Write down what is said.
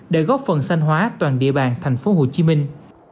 để góp phần sanh hóa toàn địa bàn thành phố hồ chí minh